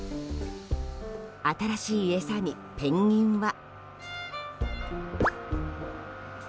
新しい餌にペンギンは。